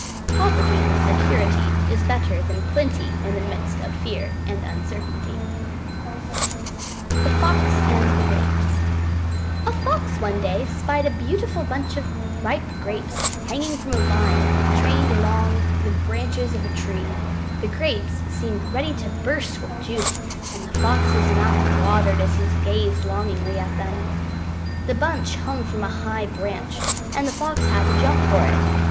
Poverty with security is better than plenty in the midst of fear and uncertainty. [Illustration: THE TOWN MOUSE AND THE COUNTRY MOUSE] THE FOX AND THE GRAPES A Fox one day spied a beautiful bunch of ripe grapes hanging from a vine trained along the branches of a tree. The grapes seemed ready to burst with juice, and the Fox's mouth watered as he gazed longingly at them. The bunch hung from a high branch, and the Fox had to jump for it.